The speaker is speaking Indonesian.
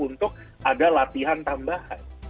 untuk ada latihan tambahan